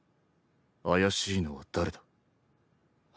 怪しいのは誰だ。